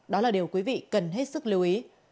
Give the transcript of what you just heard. đó là điều quý vị cần hết sức lưu ý